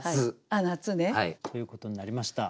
あっ夏ね。ということになりました。